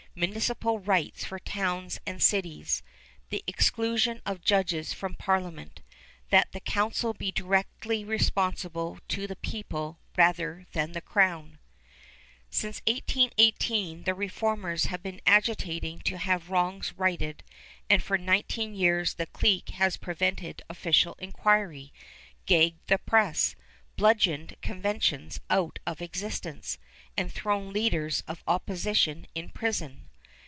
Municipal rights for towns and cities. The exclusion of judges from Parliament. That the council be directly responsible to the people rather than the Crown. Since 1818 the reformers have been agitating to have wrongs righted, and for nineteen years the clique has prevented official inquiry, gagged the press, bludgeoned conventions out of existence, and thrown leaders of opposition in prison.